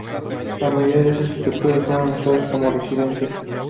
La mayoría de esas estructuras fueron usadas como residencias.